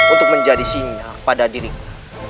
untuk menjadi sinyal pada dirinya